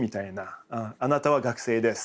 「あなたは学生です」